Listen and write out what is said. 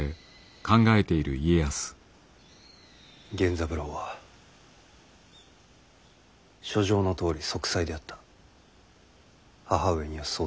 源三郎は書状のとおり息災であった母上にはそう伝えよ。